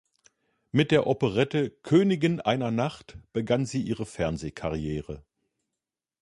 Mit der Operette "Königin einer Nacht" begann sie ihre Fernsehkarriere.